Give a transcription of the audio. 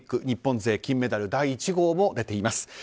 日本勢、金メダル第１号も出ています。